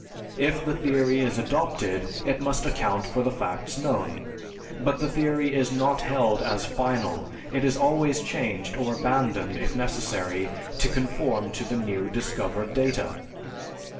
If the theory is adopted it must account for the facts known. But the theory is not held as final, it is always changed or abandoned if necessary to conform to the new discovered data.